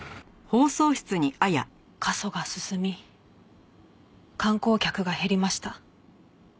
過疎が進み観光客が減りました。